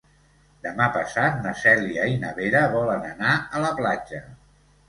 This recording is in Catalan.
Demà passat na Cèlia i na Vera volen anar a la platja.